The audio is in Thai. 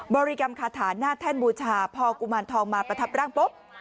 บริกรรมคาถาหน้าแท่นบูชาพอกุมารทองมาประทับร่างปุ๊บ